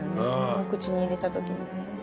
お口に入れたときにね。